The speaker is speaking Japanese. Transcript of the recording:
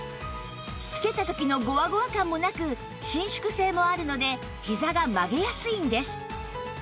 着けた時のゴワゴワ感もなく伸縮性もあるのでひざが曲げやすいんです